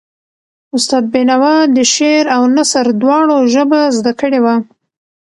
استاد بینوا د شعر او نثر دواړو ژبه زده کړې وه.